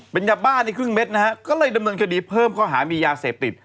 เป็นยาบ้าในครึ่งเม็ดนะฮะก็เลยดำเนินคดีเพิ่มข้อหามียาเสพติด